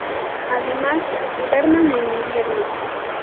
Además, hibernan en invierno.